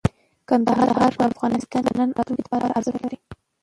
کندهار په افغانستان کې د نن او راتلونکي لپاره ارزښت لري.